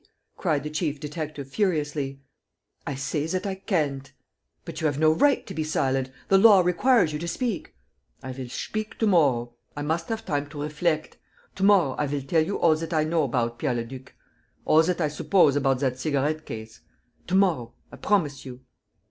cried the chief detective, furiously. "I say that I can't." "But you have no right to be silent. The law requires you to speak." "To morrow. ... I will speak to morrow ... I must have time to reflect. ... To morrow, I will tell you all that I know about Pierre Leduc ... all that I suppose about that cigarette case. ... To morrow, I promise you.